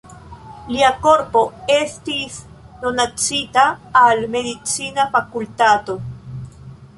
Lia korpo estis donacita al medicina fakultato.